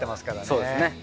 そうですね。